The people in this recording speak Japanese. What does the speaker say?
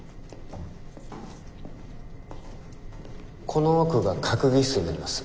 この奥が閣議室になります。